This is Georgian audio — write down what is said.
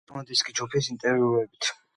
ეს არის პრომო-დისკი ჯგუფის ინტერვიუებით.